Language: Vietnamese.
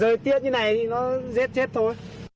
rời tiện như này thì nó chết chết thôi